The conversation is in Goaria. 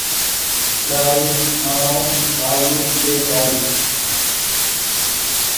ڏآڙي ٺآڻو لآزمي ڇي۔ ڪآئي۔